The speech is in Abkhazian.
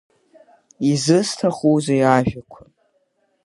Изысҭахузеи ажәақәа.